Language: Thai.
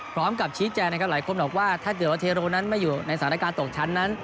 พร้อมกับชี้แจงนะครับหลายคนบอกว่าถ้าเกิดว่าเทโรนั้นไม่อยู่ในสถานการณ์ตกชั้นนั้น